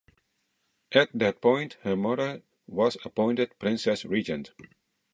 At that point, her mother was appointed Princess-Regent.